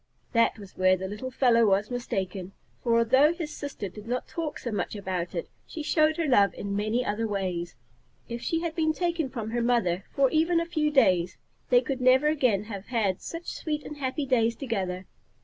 That was where the little fellow was mistaken, for although his sister did not talk so much about it, she showed her love in many other ways. If she had been taken from her mother for even a few days, they could never again have had such sweet and happy days together.